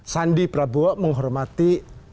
sandi prabowo menghormati